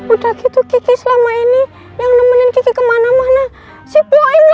udah gitu kiki selama ini yang nemenin kemana mana si poin